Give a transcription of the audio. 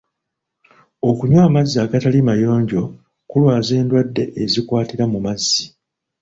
Okunywa amazzi agatali mayonjo kulwaza endwadde ezikwatira mu mazzi.